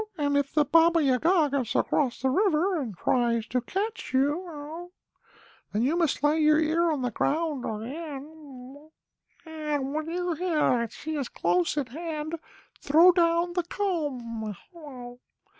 And if the Baba Yaga gets across the river, and tries to catch you, then you must lay your ear on the ground again, and when you hear that she is close at hand, throw down the comb.